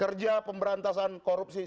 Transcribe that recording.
kerja pemberantasan korupsi